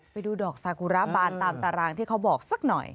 ไปดูดอกซากุระบานตามตารางที่เขาบอกสักหน่อย